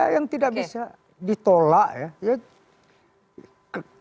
yang tidak bisa ditolak